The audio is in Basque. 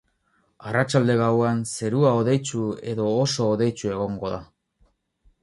Arratsalde-gauean zerua hodeitsu edo oso hodeitsu egongo da.